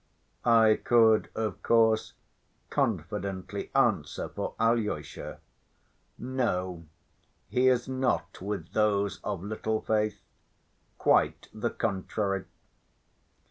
I could of course confidently answer for Alyosha, "No, he is not with those of little faith. Quite the contrary."